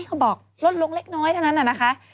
เขาบอกลดลงเล็กน้อยเท่านั้นนะคะ